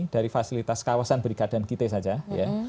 dari fasilitas kawasan berikat dan kite saja ya